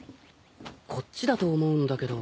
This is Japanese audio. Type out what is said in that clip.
こっちだと思うんだけど。